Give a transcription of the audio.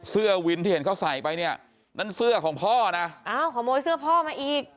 เสื้อวินที่เห็นเขาใส่ไปเนี่ยนั่นเสื้อของพ่อนะอ้าวขโมยเสื้อพ่อมาอีก